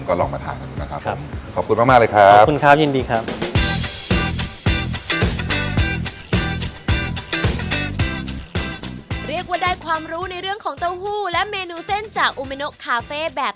ก็ลองมาทานกันดูนะครับ